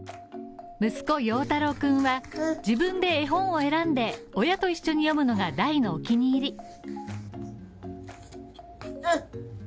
息子・陽太朗君は、自分で絵本を選んで親と一緒に読むのが大のお気に入り。